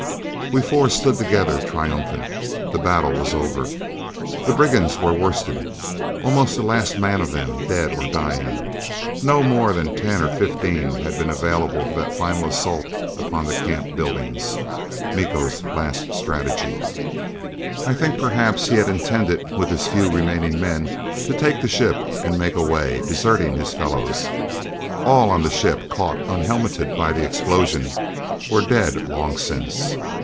We four stood together, triumphant. The battle was over. The brigands were worsted, almost the last man of them dead or dying. No more than ten or fifteen had been available for that final assault upon the camp buildings. Miko's last strategy. I think perhaps he had intended, with his few remaining men, to take the ship and make away, deserting his fellows. All on the ship, caught unhelmeted by the explosion, were dead long since.